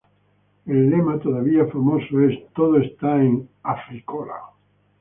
El lema, todavía famoso, es "Todo está en Afri-Cola...".